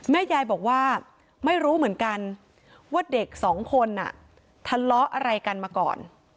แม่ยายบอกว่าไม่รู้เหมือนกันว่าเด็กสองคนทะเลาะอะไรกันมาก่อน